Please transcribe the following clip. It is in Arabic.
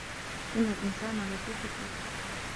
إِنَّ الإِنسانَ لَفي خُسرٍ